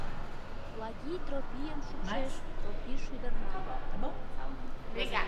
Плагий Тропийым шупшеш, Тропий шӱдырна.